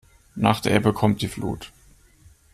Nach der Ebbe kommt die Flut.